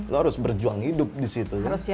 lo harus berjuang hidup di situ